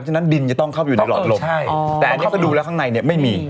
ฉะนั้นดินจะต้องเข้าไปอยู่ในหลอดลมใช่แต่อันนี้ก็ดูแล้วข้างในเนี่ยไม่มี